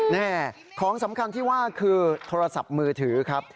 นี่ของสำคัญที่ว่าคือโทรศัพท์มือถือครับ